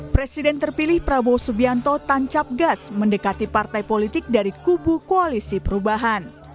presiden terpilih prabowo subianto tancap gas mendekati partai politik dari kubu koalisi perubahan